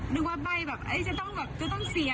เอ่อดูอย่างไงครับเราว่าต้องมาปิดเท่าใช้